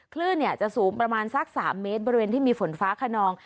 คลื่นจะสูงประมาณสัก๓เมตรบริเวณที่มีฝนฟ้าขนอง